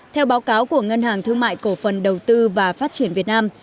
theo báo cáo của ngân hàng thương mại cổ phần đầu tư và phát triển việt nam